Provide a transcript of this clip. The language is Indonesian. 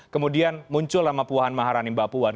kemudian muncul nama puan maharani mbak puan